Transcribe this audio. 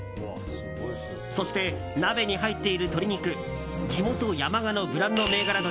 そして、鍋に入っている鶏肉地元・山鹿のブランド銘柄